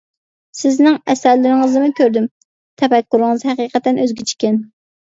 سىزنىڭ ئەسەرلىرىڭىزنىمۇ كۆردۈم، تەپەككۇرىڭىز ھەقىقەتەن ئۆزگىچە ئىكەن.